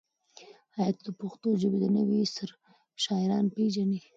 ایا ته د پښتو ژبې د نوي عصر شاعران پېژنې؟